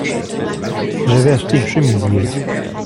J’avais acheté une chemise hier.